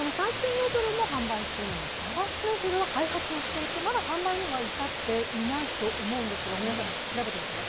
ノズルは開発をしていて、まだ販売には至っていないと思うんですが、ごめんなさい調べておきます。